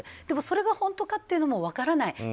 でもそれが本当かっていうのも分からない。